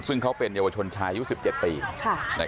ซึ่งเขาเป็นเยาวชนชายอายุ๑๗ปี